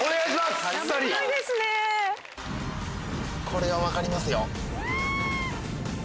これは分かりますよ。